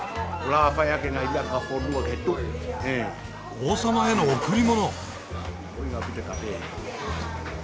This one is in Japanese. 王様への贈り物。